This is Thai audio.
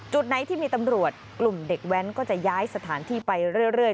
จุดไหนที่มีตำรวจกลุ่มเด็กแว้นก็จะย้ายสถานที่ไปเรื่อย